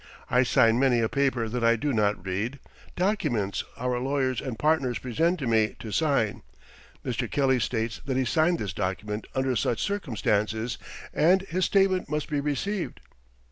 I sign many a paper that I do not read documents our lawyers and partners present to me to sign. Mr. Kelly states that he signed this document under such circumstances and his statement must be received.